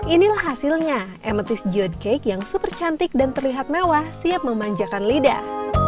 inilah hasilnya emotis george cake yang super cantik dan terlihat mewah siap memanjakan lidah